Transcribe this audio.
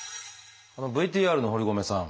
ＶＴＲの堀米さん